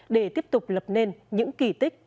để tiếp tục lập nên những kỳ tích